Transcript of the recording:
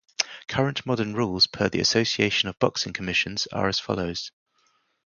Current modern rules per the Association of Boxing Commissions are as follows.